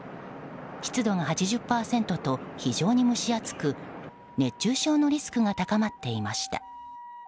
湿度が８０％と非常に蒸し暑く熱中症のリスクが高まっていました。